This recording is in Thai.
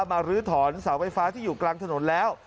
ลื้อถอนเสาไฟฟ้าที่อยู่กลางถนนแล้ว